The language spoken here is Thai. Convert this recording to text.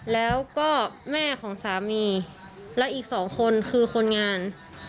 แล้วก็แม่ของสามีและอีกสองคนคือคนงาน